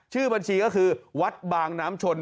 ชื่อบัญชีก็คือวัดบางน้ำชน